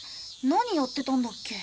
何やってたんだっけ？